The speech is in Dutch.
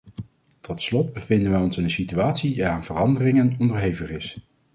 Tot slot bevinden wij ons in een situatie die aan veranderingen onderhevig is.